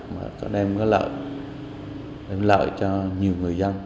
nó đem lợi cho nhiều người dân